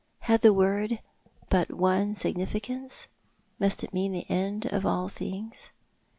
Had the word but one significance ? Must it mean the end of all things?